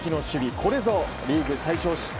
これぞリーグ最少失点